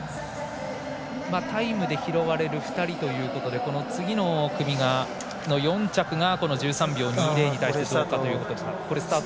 タイムで拾われる２人ということで次の組の４着が１３秒２０に対してどうか。